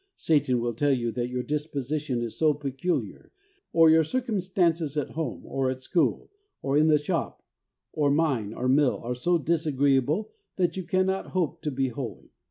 Satan will tell you that your disposition is so peculiar, or your circumstances at home, or at school, or in the shop, or mine, or mill, are so disagreeable that you cannot hope to be holy.